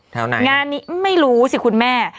แถวไหนงานนี้ไม่รู้สิคุณแม่